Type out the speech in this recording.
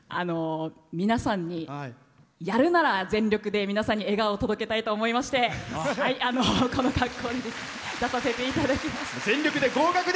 皆さんに、やるなら全力で皆さんに笑顔を届けたいなと思いましてこの格好で出させていただきました。